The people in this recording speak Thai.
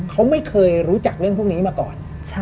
เขาไม่เคยรู้จักเรื่องพวกนี้มาก่อน